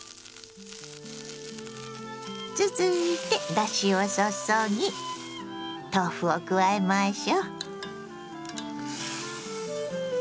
続いてだしを注ぎ豆腐を加えましょ。